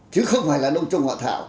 chứ không phải là đông trùng hạ thảo